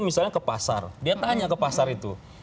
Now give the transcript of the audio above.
misalnya ke pasar dia tanya ke pasar itu